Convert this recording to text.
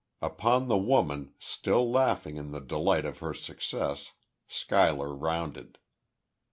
Upon the woman, still laughing in the delight of her success, Schuyler rounded.